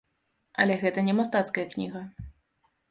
Але гэта не мастацкая кніга.